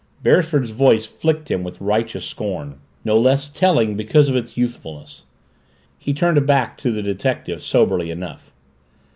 Beresford's voice flicked him with righteous scorn, no less telling because of its youthfulness. He turned back to the detective soberly enough.